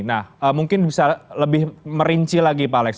nah mungkin bisa lebih merinci lagi pak alex